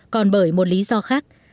còn bởi một lý do khác